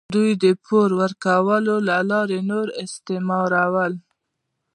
دوی د پور ورکولو له لارې نور استثمارول.